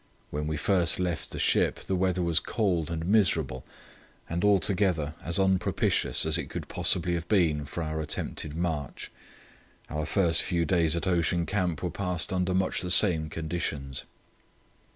When we first left the ship the weather was cold and miserable, and altogether as unpropitious as it could possibly have been for our attempted march. Our first few days at Ocean Camp were passed under much the same conditions.